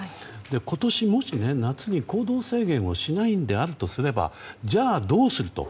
今年、もし夏に行動制限をしないんであるとすればじゃあ、どうすると。